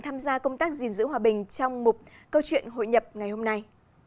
tham gia công tác gìn giữ hòa bình trong một câu chuyện hội nhập ngày hôm nay